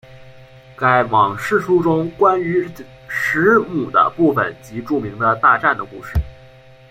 该往世书中关于时母的部分即著名的大战的故事。